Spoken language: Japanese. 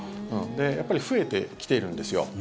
やっぱり増えてきているんですよ。